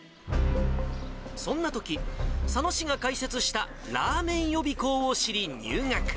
そんなとき、佐野市が開設した、らーめん予備校を知り、入学。